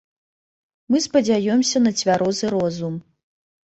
Мы спадзяёмся на цвярозы розум.